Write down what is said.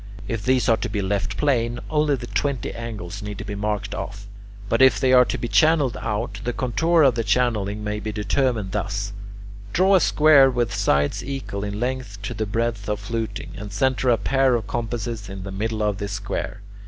If these are to be left plane, only the twenty angles need be marked off. But if they are to be channelled out, the contour of the channelling may be determined thus: draw a square with sides equal in length to the breadth of the fluting, and centre a pair of compasses in the middle of this square.